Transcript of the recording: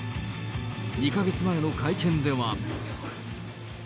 ２か月前の会見では。